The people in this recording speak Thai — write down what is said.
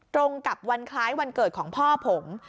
ตรงกับวันคล้ายวันเกิดของพ่อผม